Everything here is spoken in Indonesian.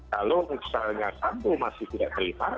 kalau misalnya sambo masih tidak terima